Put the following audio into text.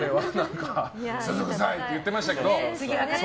すすくさいって言ってましたけど。